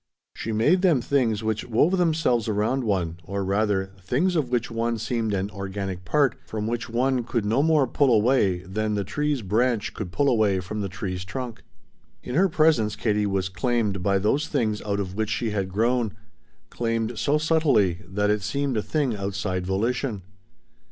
She made them things which wove themselves around one, or rather, things of which one seemed an organic part, from which one could no more pull away than the tree's branch could pull away from the tree's trunk. In her presence Katie was claimed by those things out of which she had grown, claimed so subtly that it seemed a thing outside volition.